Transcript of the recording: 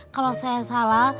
kalau saya salah